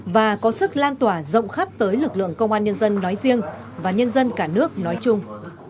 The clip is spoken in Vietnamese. và có sức lan tỏa rộng khắp tới lực lượng công an nhân dân nói riêng và nhân dân cả nước nói chung